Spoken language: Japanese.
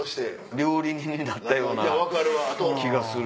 料理人になったような気がする。